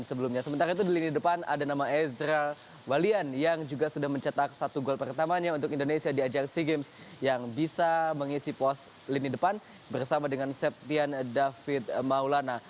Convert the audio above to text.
sementara itu di lini depan ada nama ezra walian yang juga sudah mencetak satu gol pertamanya untuk indonesia di ajang sea games yang bisa mengisi pos lini depan bersama dengan septian david maulana